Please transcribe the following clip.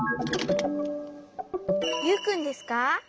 ユウくんですか？